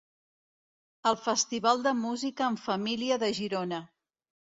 El festival de música en família de Girona.